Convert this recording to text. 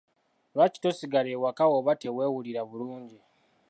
Lwaki tosigala ewaka bw'oba teweewulira bulungi?